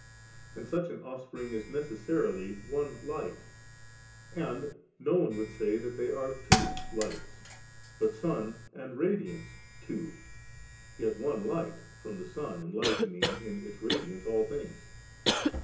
And such an offspring is neces sarily one light; and no one would say that they are two lights «, but sun and radiance two, yet one the light from the sun enlightening in its radiance all things.